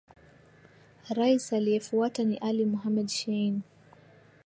Rais aliyefuata ni Ali Mohamed Shein